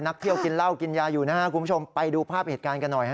เที่ยวกินเหล้ากินยาอยู่นะครับคุณผู้ชมไปดูภาพเหตุการณ์กันหน่อยฮ